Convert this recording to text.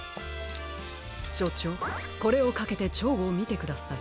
しょちょうこれをかけてチョウをみてください。